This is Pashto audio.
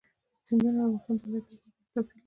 سیندونه د افغانستان د ولایاتو په کچه توپیر لري.